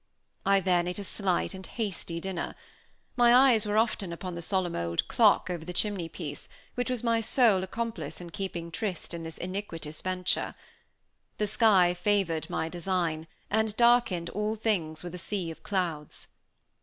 I then ate a slight and hasty dinner. My eyes were often upon the solemn old clock over the chimney piece, which was my sole accomplice in keeping tryst in this iniquitous venture. The sky favored my design, and darkened all things with a sea of clouds.